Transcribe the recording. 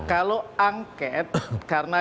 kalau angket karena